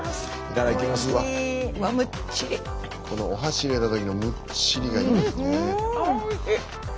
このお箸入れたときのむっちりがいいですね。